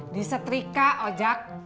di setrika ojak